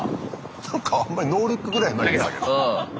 なんかあんまりノールックぐらい投げてたけど。